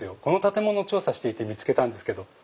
この建物を調査していて見つけたんですけど。